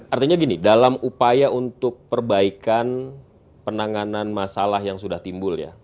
artinya gini dalam upaya untuk perbaikan penanganan masalah yang sudah timbul ya